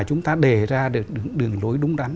chúng ta đề ra được đường lối đúng đắn